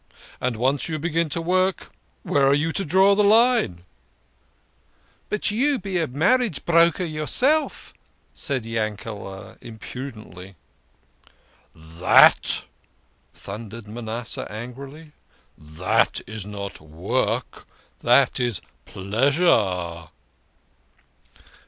And once you begin to work, where are you to draw the line ?"" But you be a marriage broker yourself," said Yankel imprudently. " That !" thundered Manasseh angrily, " That is not work ! That is pleasure